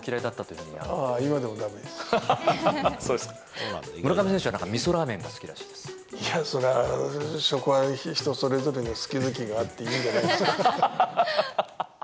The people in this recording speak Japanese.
いや、そこは食は人それぞれに好き好きがあっていいんじゃないですか。